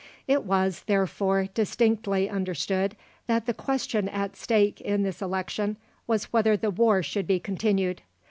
It was, therefore, distinctly understood that the question at stake in this election was, whether the war should be continued.